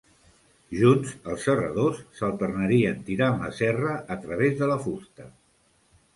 Junts, els serradors s'alternarien tirant la serra a través de la fusta.